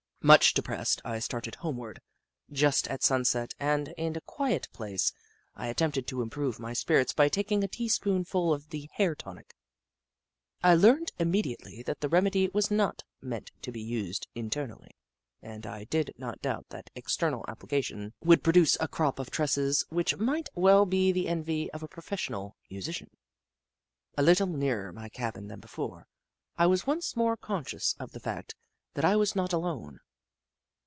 Much depressed, I started homeward, just at sunset, and, in a quiet place, I attempted to improve my spirits by taking a teaspoonful of the hair tonic. I learned immediately that the remedy was not meant to be used internally, and I did not doubt that external application would pro duce a crop of tresses which might well be the envy of a professional musician. A little nearer my cabin than before, I was once more conscious of the fact that I was not alone.